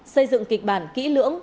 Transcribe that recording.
xây dựng kịch bản kỹ lưỡng